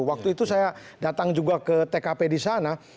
waktu itu saya datang juga ke tkp di sana